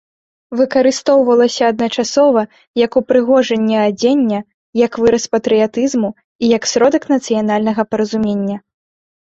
Выкарыстоўвалася адначасова як упрыгожанне адзення, як выраз патрыятызму і як сродак нацыянальнага паразумення.